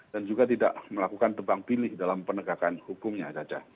dan juga tidak melakukan terbang pilih dalam penegakan hukumnya caca